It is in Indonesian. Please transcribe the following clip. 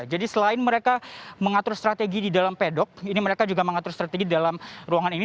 jadi selain mereka mengatur strategi di dalam pedok ini mereka juga mengatur strategi di dalam ruangan ini